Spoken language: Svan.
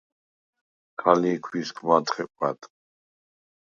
ქა ლი̄ქუ̂ისგ მად ხეკუ̂ა̈დ.